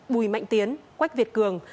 bùi mạnh tiến quách việt cường